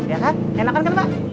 ya kan enakan kan pak